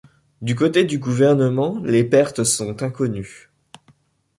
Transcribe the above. Du côté du gouvernement les pertes sont inconnues.